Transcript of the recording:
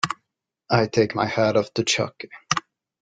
I take my hat off to Chuck.